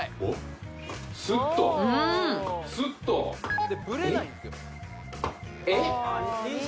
スッとスッとえっえっ？